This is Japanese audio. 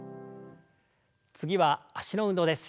次は脚の運動です。